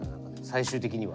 最終的には。